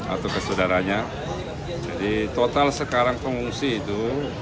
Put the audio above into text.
atau kesedaranya jadi total sekarang pengungsi itu lima enam ratus